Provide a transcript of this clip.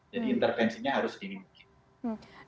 jadi intervensinya harus diinginkan